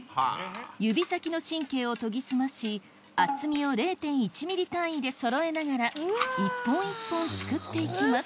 指先の神経を研ぎ澄まし厚みを０．１ミリ単位でそろえながら一本一本作っていきます